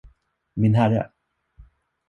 Min herre!